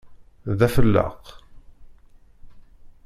D afellaq!